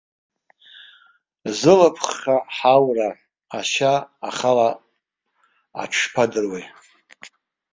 Зылԥха ҳаура, ашьа ахала аҽшԥадыруеи!